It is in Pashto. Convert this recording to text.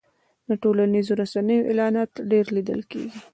د ټولنیزو رسنیو اعلانات ډېر لیدل کېږي.